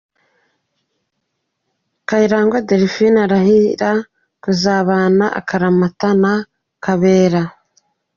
Kayirangwa Delphine arahira kuzabana akaramata na Kabera .